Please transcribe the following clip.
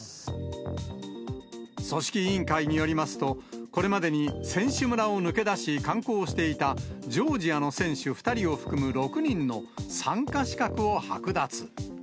組織委員会によりますと、これまでに選手村を抜け出し、観光していたジョージアの選手２人を含む６人の参加資格を剥奪。